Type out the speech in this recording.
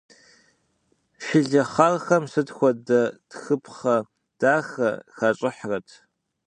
Шылэхъархэм сыт хуэдэ тхыпхъэ дахэ хащӏыхьрэт.